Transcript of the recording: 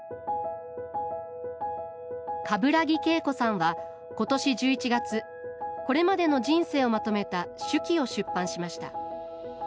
冠木結心さんはことし１１月これまでの人生をまとめた手記を出版しました。